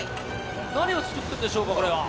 何を作っているんでしょうか。